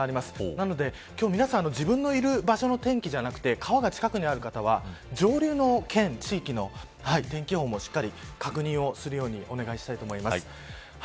なので、皆さん自分のいる場所の天気じゃなくて川が近くにある方は上流の地域の天気予報もしっかり確認をするようにお願いします。